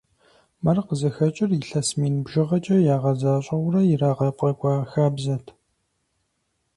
Мыр къызыхэкӀыр илъэс мин бжыгъэкӀэ ягъэзащӀэурэ ирагъэфӀэкӀуа хабзэт.